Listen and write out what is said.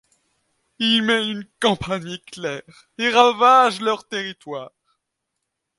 Il mène une campagne éclair et ravage leur territoire.